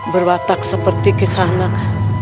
berwatak seperti kisanak